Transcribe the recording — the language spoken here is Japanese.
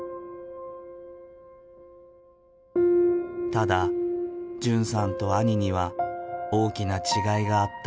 ただ純さんと兄には大きな違いがあった。